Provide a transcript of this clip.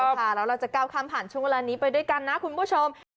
แล้วเราจะก้าวข้ามผ่านช่วงเวลานี้ไปด้วยกันนะคุณผู้ชม